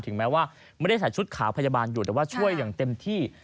แม้ว่าไม่ได้ใส่ชุดขาวพยาบาลอยู่แต่ว่าช่วยอย่างเต็มที่